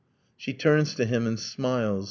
. She turns to him and smiles .